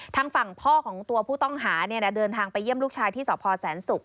ทางฝั่งพ่อของตัวผู้ต้องหาเดินทางไปเยี่ยมลูกชายที่สพแสนศุกร์